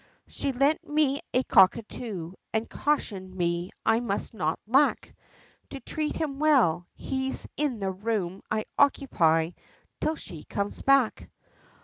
She lent to me a cockatoo, and cautioned me, I must not lack, To treat him well; he's in the room I occupy, till she comes back."